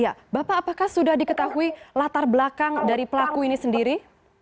ya bapak apakah sudah diketahui latar belakang dari pelaku ini sendiri